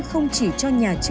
không chỉ cho những người thầy